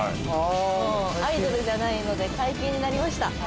もうアイドルじゃないので解禁になりました。